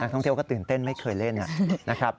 ท่องเที่ยวก็ตื่นเต้นไม่เคยเล่นนะครับ